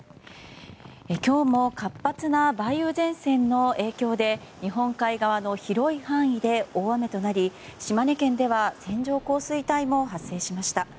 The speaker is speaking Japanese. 今日も、活発な梅雨前線の影響で日本海側の広い範囲で大雨となり島根県では線状降水帯も発生しました。